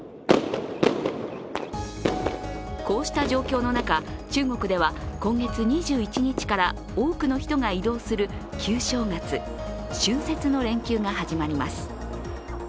こうした状況の中、中国では今月２１日から多くの人が移動する旧正月・春節の連休が始まります。